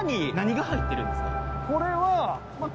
これは。